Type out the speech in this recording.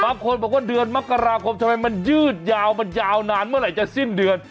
บางคนบอกว่าเดือนมกราคมทำไมมันยืดยาวมันยาวนานเมื่อไหร่จะสิ้นเดือน